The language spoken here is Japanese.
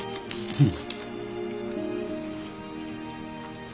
うん。